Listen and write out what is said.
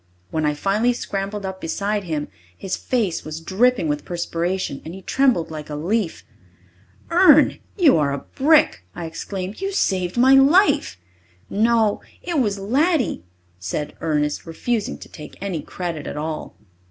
When I finally scrambled up beside him, his face was dripping with perspiration and he trembled like a leaf. "Ern, you are a brick!" I exclaimed. "You've saved my life!" "No, it was Laddie," said Ernest, refusing to take any credit at all.